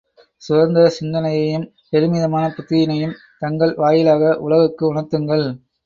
சுதந்திர சிந்தனையையும், பெருமிதமான புத்தியினையும் தங்கள் வாயிலாக உலகுக்கு உணர்த்துங்கள்.